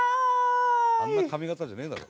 あんな髪形じゃねえだろ。